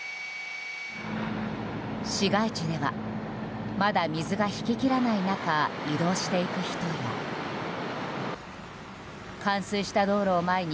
市街地ではまだ水が引き切らない中移動していく人や冠水した道路を前に